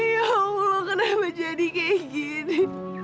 ya allah kenapa jadi kayak gini